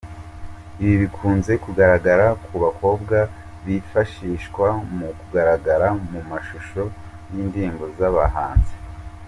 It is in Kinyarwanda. Ibi bikunze kugaragara ku bakobwa bifashishwa mu kugaragara mu mashusho y'indirimbo z'abahanzi.